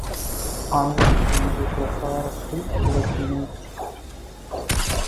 ஆகவே எனது பிரசாரத்தைத் துவக்கினேன்.